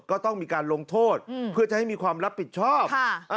ก็ต้องมีการลงโทษเพื่อจะให้มีความรับผิดชอบ